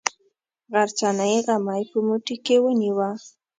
غرڅنۍ غمی په موټي کې ونیوه.